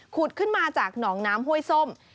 ขึ้นมาจากหนองน้ำห้วยส้ม